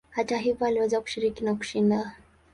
Hata hivyo aliweza kushiriki na kushinda.